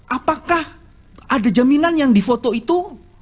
apakah ada jaminan yang di foto itu